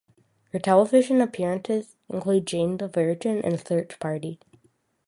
Her television appearances include "Jane the Virgin" and "Search Party".